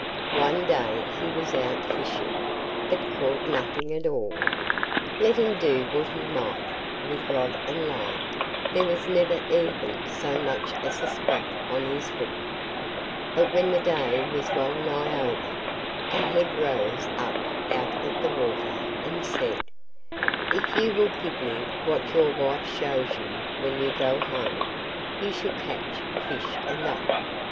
One day he was out fishing, but caught nothing at all. Let him do what he might with rod and line, there was never even so much as a sprat on his hook; but when the day was well nigh over, a head rose up out of the water, and said: 'If you will give me what your wife shows you when you go home, you shall catch fish enough.